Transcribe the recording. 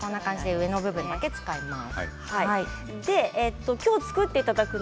上の部分だけ使います。